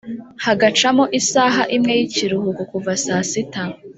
hagacamo isaha imwe y’ikiruhuko kuva saa sita